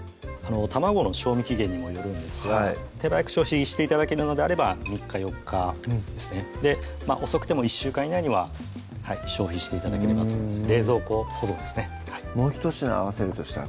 卵の賞味期限にもよるんですが手早く消費して頂けるのであれば３日・４日ですね遅くても１週間以内には消費して頂ければと思います冷蔵庫保存ですねもうひと品合わせるとしたら？